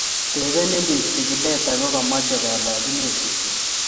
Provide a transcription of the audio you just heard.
tebenin biik chikilet, ako kaa mochei kalosunet kityo